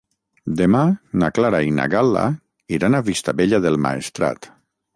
Demà na Clara i na Gal·la iran a Vistabella del Maestrat.